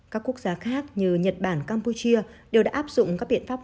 các quốc gia khác như nhật bản campuchia đều đã áp dụng các biện pháp